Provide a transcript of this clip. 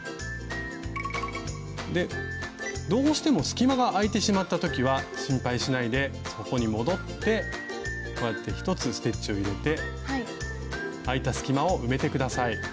どうしても隙間が空いてしまった時は心配しないでそこに戻ってこうやって１つステッチを入れて空いた隙間を埋めて下さい。